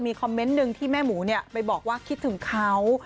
คอมเมนต์หนึ่งที่แม่หมูไปบอกว่าคิดถึงเขา